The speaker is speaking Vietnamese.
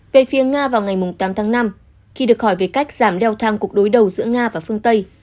về phía nga vào ngày tám tháng năm khi được hỏi về cách giảm đeo thang cuộc đối đầu giữa nga và phương tây